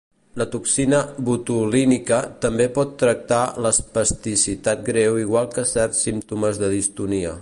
La toxina botulínica també pot tractar l'espasticitat greu igual que certs símptomes de distonia.